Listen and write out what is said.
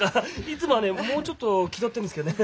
いつもはねもうちょっと気取ってんですけどね。